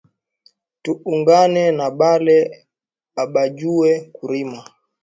Tu ungane na bale abajuwe kurima